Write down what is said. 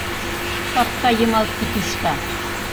Капка йымал пий тӱшка!..